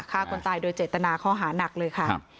ฆ่าคนตายโดยเจตนาข้อหานักเลยค่ะ